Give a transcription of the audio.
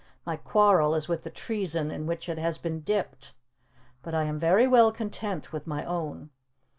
My quarrel is with the treason in which it has been dipped. But I am very well content with my own.